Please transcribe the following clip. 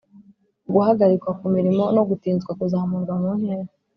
guhagarikwa ku mirimo no gutinzwa kuzamurwa muntera